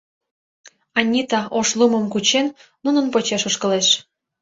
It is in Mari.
Анита, Ошлумым кучен, нунын почеш ошкылеш.